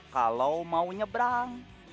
kalau mau nyebrang